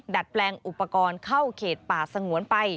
ดัดแปลงอุปกรณ์เข้าเขตป่าสงวนไป